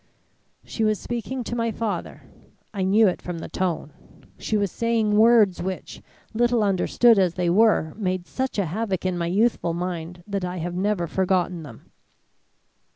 "She was speaking to my father. I knew it from the tone. She was saying words which, little understood as they were, made such a havoc in my youthful mind that I have never forgotten them.